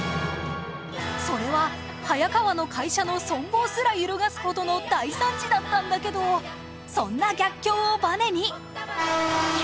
それは早川の会社の存亡すら揺るがすほどの大惨事だったんだけどそんな逆境をバネに